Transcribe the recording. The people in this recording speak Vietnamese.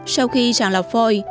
sau khi sản lọc phôi